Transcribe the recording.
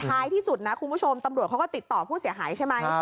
ท้ายที่สุดนะคุณผู้ชมตำรวจเขาก็ติดต่อผู้เสียหายใช่ไหม